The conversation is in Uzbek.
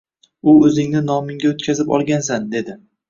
U oʻzingni nomingga oʻtkazib olgansan dedi.